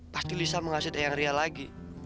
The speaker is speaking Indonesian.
pasti lisa mengaset eyang ria lagi